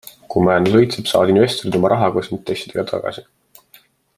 Kui majandus õitseb, saavad investorid oma raha koos intressidega tagasi.